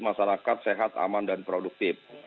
masyarakat sehat aman dan produktif